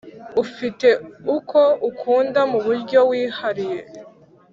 ufite uko ukunda mu buryo wihariye